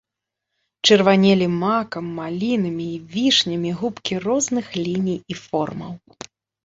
Чырванелі макам, малінамі і вішнямі губкі розных ліній і формаў.